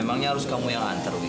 emangnya harus kamu yang antar wi